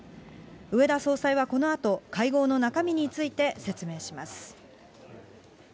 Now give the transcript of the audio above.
植田総裁はこのあと、会合の中身について説明します。